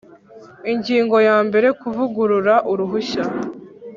Ingingo ya mbere Kuvugurura uruhushya